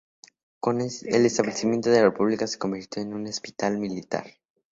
Con el establecimiento de la República se convirtió en un hospital militar.